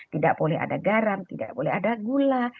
tidak boleh ada garam tidak boleh ada gula